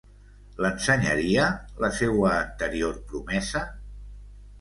L'ensenyaria la seua anterior promesa?